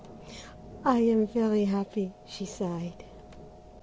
"I am very happy," she sighed.